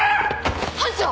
班長！